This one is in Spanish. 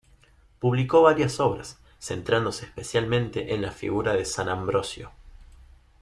Publicó varias obras, centrándose especialmente en la figura de San Ambrosio.